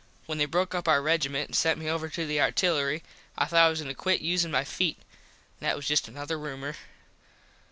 When they broke up our regiment and sent me over to the artillery I thought I was goin to quit usin my feet. That was just another roomor.